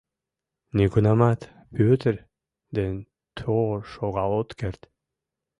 Нигунамат Пӧтыр ден тор шогал от керт!